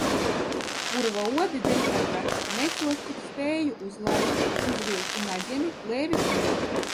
Purva odi dzeļ kā traki, nesos, cik spēju uz laipu, uzvilku naģeni, plēves mēteli.